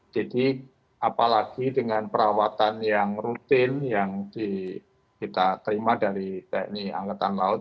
jadi apalagi dengan perawatan yang rutin yang kita terima dari tni angkatan laut